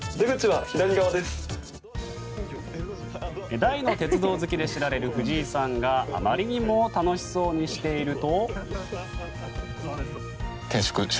大の鉄道好きで知られる藤井さんがあまりにも楽しそうにしていると。